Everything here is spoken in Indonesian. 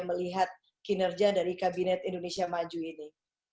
melihat kinerja dari kabinet indonesia maju ini